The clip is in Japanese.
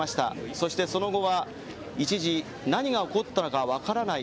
そして、その後は一時何が起こったのか分からない